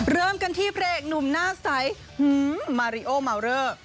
เริ่มกันที่เพลงหนุ่มหน้าใสหื้มมาริโอมาลเลอร์